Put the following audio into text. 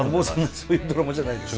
そういうドラマじゃないでしょ。